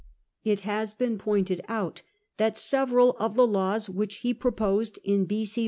It has been pointed out that several of the laws which he proposed in B.c.